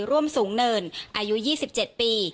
ร่วมสูงเนินอายุ๒๗ปี